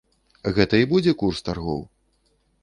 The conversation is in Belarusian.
Гэта і будзе курс таргоў?